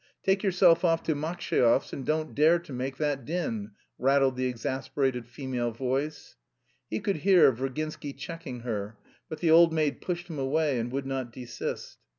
Take yourself off to Maksheyev's and don't dare to make that din," rattled the exasperated female voice. He could hear Virginsky checking her; but the old maid pushed him away and would not desist.